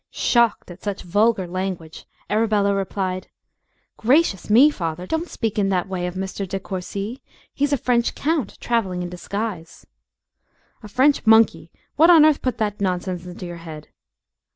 Shocked at such vulgar language, Arabella replied "Gracious me, father! Don't speak in that way of Mr. De Courci. He's a French count, travelling in disguise." "A French monkey! What on earth put that nonsense into your head?"